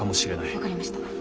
分かりました。